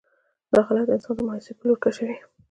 دا حالات انسان د مايوسي په لور کشوي.